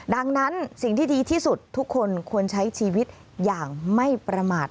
ดังนั้นสิ่งที่ดีที่สุดทุกคนควรใช้ชีวิตอย่างไม่ประมาท